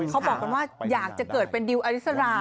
เขาบอกกันว่าอยากจะเกิดเป็นดิวอริสรา